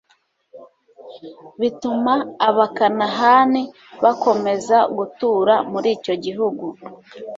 bituma abakanahani bakomeza gutura muri icyo gihugu